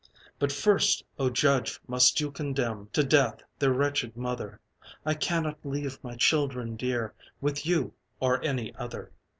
But first, oh judge, must you condemn To death their wretched mother I cannot leave my children dear With you or any other!